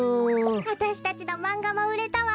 わたしたちのマンガもうれたわ。